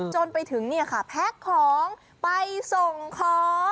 จนไปถึงเนี่ยค่ะแพ็คของไปส่งของ